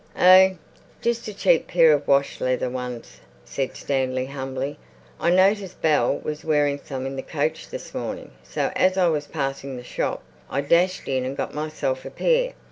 "Oh, just a cheap pair of wash leather ones," said Stanley humbly. "I noticed Bell was wearing some in the coach this morning, so, as I was passing the shop, I dashed in and got myself a pair.